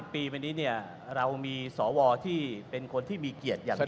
๙๐ปีมานี้เนี่ยเรามีสวทธิ์ที่เป็นคนที่มีเกียรติอย่างนี้